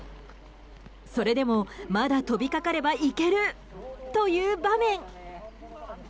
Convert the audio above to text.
それでも、まだ飛びかかればいけるという場面。